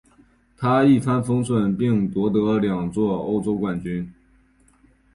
他一帆风顺并夺得两座欧洲冠军。